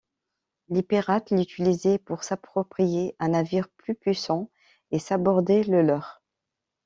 Les pirates l'utilisaient pour s'approprier un navire plus puissant et saborder le leur.